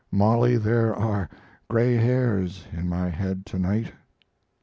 Mollie, there are gray hairs in my head to night.